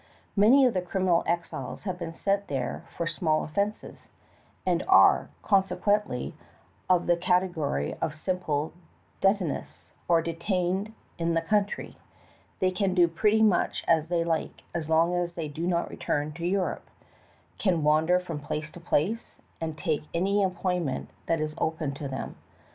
Many of the criminal exiles have been sent there for small offenses, and are, consequently, of the cate gory of simple detenus, or "detained in the country." They can do pretty much as they like, as long as they do not return to Europe; can wander from place to place, and take any employ ment that is open to them.